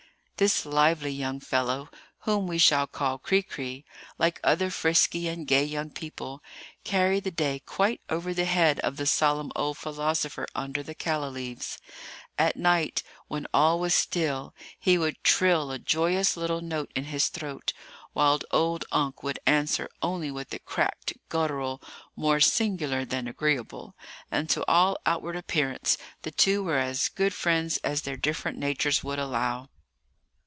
This lively young fellow, whom we shall call Cri Cri, like other frisky and gay young people, carried the day quite over the head of the solemn old philosopher under the calla leaves. At night, when all was still, he would trill a joyous little note in his throat, while old Unke would answer only with a cracked guttural more singular than agreeable; and to all outward appearance the two were as good friends as their different natures would allow.